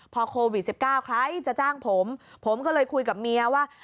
พอโควิด๑๙ใครจะจ้างผมผมก็เลยคุยกับเมียว่า